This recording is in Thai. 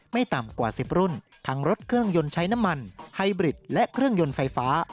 ไม่ต่ำกว่า๑๐รุ่นทั้งรถเครื่องยนต์ใช้น้ำมันไฮบริดและเครื่องยนต์ไฟฟ้า